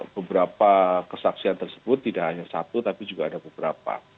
beberapa kesaksian tersebut tidak hanya satu tapi juga ada beberapa